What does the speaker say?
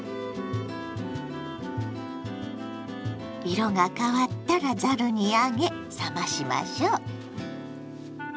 色が変わったらざるに上げ冷ましましょう。